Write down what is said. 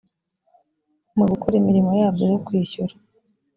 mu gukora imirimo yabyo yo kwishyura